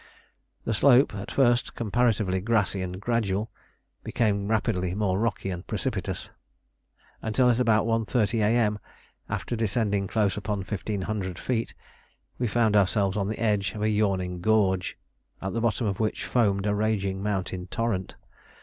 The slope, at first comparatively grassy and gradual, became rapidly more rocky and precipitous, until at about 1.30 A.M., after descending close upon 1500 feet, we found ourselves on the edge of a yawning gorge, at the bottom of which foamed a raging mountain torrent.